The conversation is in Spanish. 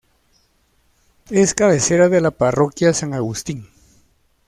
Es cabecera de la parroquia San Agustín.